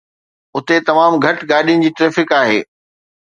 اتي تمام گهٽ گاڏين جي ٽريفڪ آهي